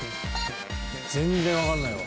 全然わかんないわ。